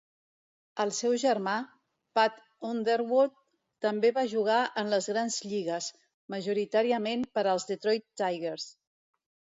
El seu germà, Pat Underwood, també va jugar en les grans lligues, majoritàriament per als Detroit Tigers.